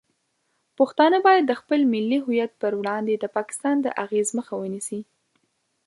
پښتانه باید د خپل ملي هویت په وړاندې د پاکستان د اغیز مخه ونیسي.